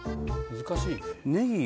難しいね。